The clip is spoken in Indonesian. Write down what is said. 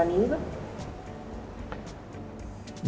dalam segi apa